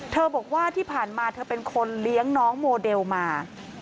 บอกว่าที่ผ่านมาเธอเป็นคนเลี้ยงน้องโมเดลมา